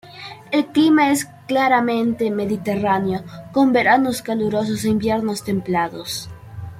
El clima es claramente mediterráneo, con veranos calurosos e inviernos templados.